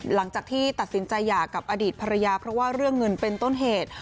หลังจากที่ตัดสินใจหย่ากับอดีตภรรยาเพราะว่าเรื่องเงินเป็นต้นเหตุ